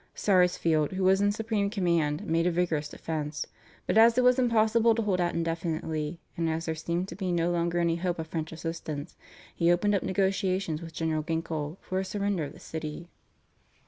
Sarsfield, who was in supreme command, made a vigorous defence, but, as it was impossible to hold out indefinitely, and as there seemed to be no longer any hope of French assistance, he opened up negotiations with General Ginkle for a surrender of the city.